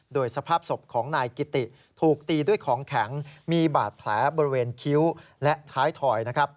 โดยสภาพศพของนายกิติถูกตีด้วยของแข็งมีบาดแผลบริเวณคิ้วและท้ายถอย